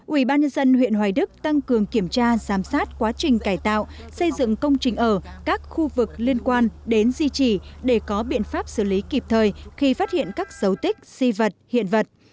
ủy ban nhân dân huyện hoài đức tăng cường kiểm tra giám sát quá trình cải tạo xây dựng công trình ở các khu vực liên quan đến di trì để có biện pháp xử lý kịp thời khi phát hiện các dấu tích di vật hiện vật